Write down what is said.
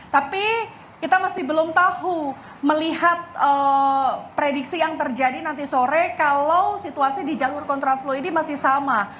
tapi kita masih belum tahu melihat prediksi yang terjadi nanti sore kalau situasi di jalur kontraflow ini masih sama